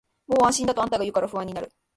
もう安心だとあんたが言うから不安になる